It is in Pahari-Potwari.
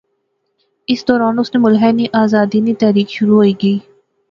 اسے دوران اس نے ملخے نی آزادی نی تحریک شروع ہوئی گئی